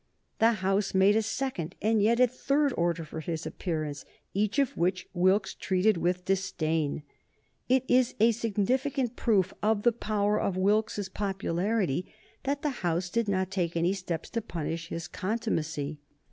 The House made a second and yet a third order for his appearance, each of which Wilkes treated with disdain. It is a significant proof of the power of Wilkes's popularity that the House did not take any steps to punish his contumacy.